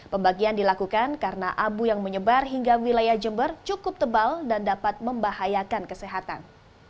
pembagian dilakukan karena abu yang menyebar hingga wilayah jember cukup tebal dan dapat membahayakan kesehatan